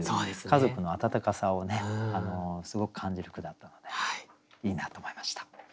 家族の温かさをすごく感じる句だったのでいいなと思いました。